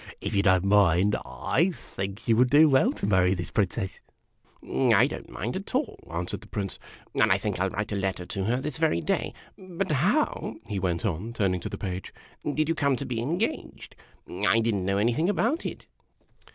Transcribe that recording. If you don't mind, I think you would do \vell to marry this Princess." " I don't mind at all," answered the Prince ;" and I think I '11 write a letter to her this very day. But how," he went on, turning to the Page, " did you come to be engaged ? I did n't know anything about it